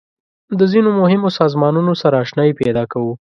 د ځینو مهمو سازمانونو سره آشنایي پیدا کوو.